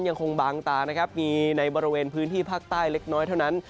ยังคงบางตานะครับมีในบริเวณพื้นที่ภาคใต้เล็กน้อยเท่านั้น